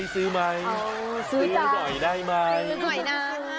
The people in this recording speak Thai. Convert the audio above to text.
สวัสดีครับสวัสดีครับ